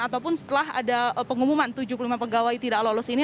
ataupun setelah ada pengumuman tujuh puluh lima pegawai tidak lolos ini